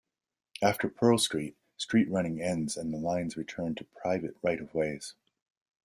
After Pearl Street, street running ends and the lines return to private right-of-ways.